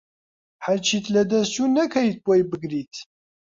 هەرچیت لەدەست چو نەکەیت بۆی بگریت